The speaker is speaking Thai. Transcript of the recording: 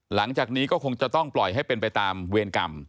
หลังจากนี้ก็คงจะต้องปล่อยให้เป็นไปตามเวรกรรม